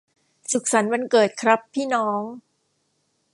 สุขสันต์วันเกิดครับพี่น้อง